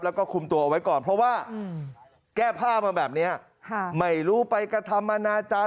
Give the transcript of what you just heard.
แล้วก็คุมตัวเอาไว้ก่อนเพราะว่าแก้ผ้ามาแบบนี้ไม่รู้ไปกระทำอนาจารย์